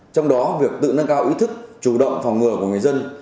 trong đó việc tự nâng cao ý thức chủ động phòng ngừa của người dân